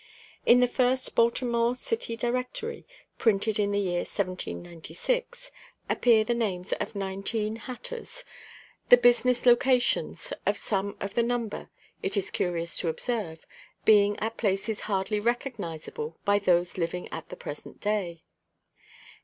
In the first "Baltimore City Directory," printed in the year 1796, appear the names of nineteen hatters; the business locations of some of the number, it is curious to observe, being at places hardly recognizable by those living at the present day.